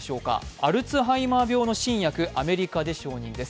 アルツハイマー病の新薬、アメリカで承認です。